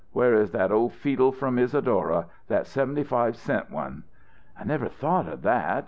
Where is that old feedle from Isadora that seventy five cents one?" "I never thought of that!